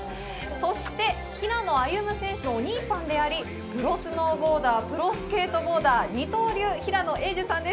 そして平野歩夢選手のお兄さんであり、プロスノーボーダー、プロスケートボーダー二刀流・平野英樹さんです。